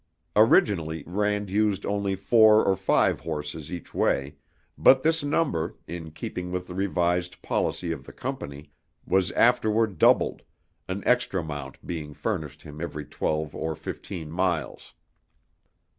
Originally, Rand used only four or five horses each way, but this number, in keeping with the revised policy of the Company, was afterward doubled, an extra mount being furnished him every twelve or fifteen miles.